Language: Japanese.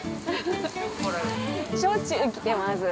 しょっちゅう来てます。